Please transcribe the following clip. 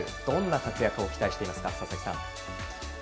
どんな活躍を期待しますか？